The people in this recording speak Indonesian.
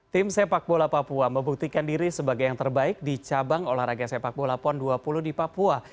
tim sepak bola papua membuktikan diri sebagai yang terbaik di cabang olahraga sepak bola pon dua puluh di papua